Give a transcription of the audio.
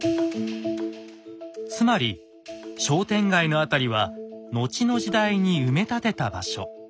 つまり商店街の辺りは後の時代に埋め立てた場所。